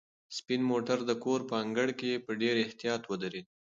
سپین موټر د کور په انګړ کې په ډېر احتیاط ودرېد.